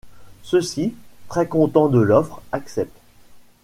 Ceux-ci, très contents de l'offre, acceptent.